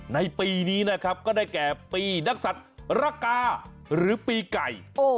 ในปีนี้นะครับก็ได้แก่ปีนักศัตริย์ระกาหรือปีไก่